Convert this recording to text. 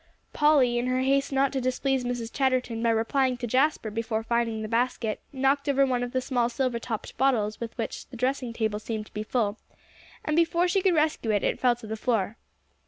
Polly, in her haste not to displease Mrs. Chatterton by replying to Jasper before finding the basket, knocked over one of the small silver topped bottles with which the dressing table seemed to be full, and before she could rescue it, it fell to the floor.